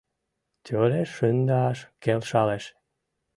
Тӧреш шындаш келшалеш!